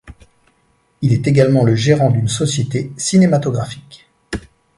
Il est également le gérant d'une société cinématographique.